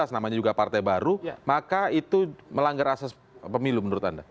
namanya juga partai baru maka itu melanggar asas pemilu menurut anda